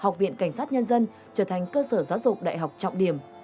cảnh sát nhân dân trở thành cơ sở giáo dục đại học trọng điểm